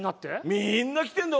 みんな来てるんだ。